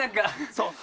そう。